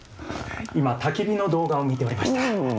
今たき火の動画を見ておりました。